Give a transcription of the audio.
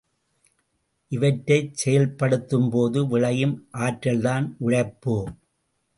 இவற்தைக் செயல்படுத்தும்போது விளையும் ஆற்றல்தான் உழைப்பு.